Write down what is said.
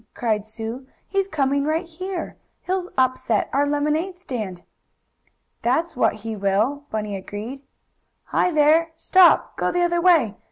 cried Sue, "he's coming right here. He'll upset our lemonade stand!" "That's what he will," Bunny agreed. "Hi, there! Stop! Go the other way!